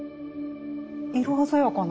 色鮮やかな。